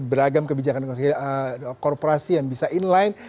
beragam kebijakan korporasi yang bisa inline